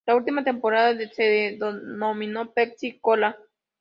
La última temporada se denominó Pepsi-Cola.